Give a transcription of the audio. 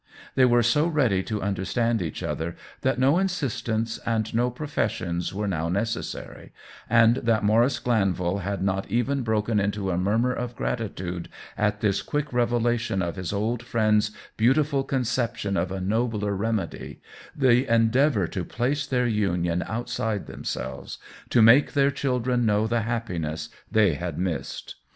They were so ready to understand each other that no insistence and no profes sions now were necessary, and that Maurice Glanvil had not even broken into a murmur of gratitude at this quick revelation of his old friend's beautiful conception of a nobler remedy— the endeavor to place their union outside themselves, to make their children know the happiness they had missed.